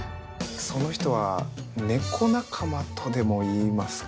その人は猫仲間とでも言いますか。